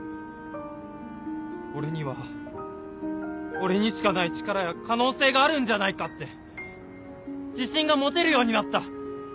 俺には俺にしかない力や可能性があるんじゃないかって自信が持てるようになった。